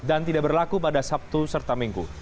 dan tidak berlaku pada sabtu serta minggu